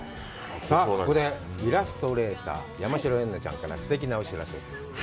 さあここでイラストレーター山代エンナちゃんからすてきなお知らせです。